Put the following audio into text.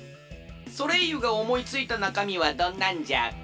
ソレイユがおもいついたなかみはどんなんじゃ？